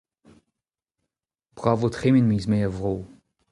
Brav e vo tremen miz Mae er vro.